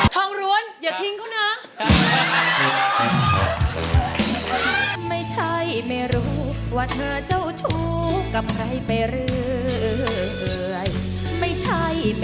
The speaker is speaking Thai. ร้วนอย่าทิ้งเขานะ